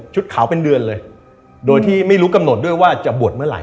ขาวเป็นเดือนเลยโดยที่ไม่รู้กำหนดด้วยว่าจะบวชเมื่อไห